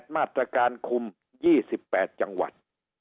มาตรการคุม๒๘จังหวัด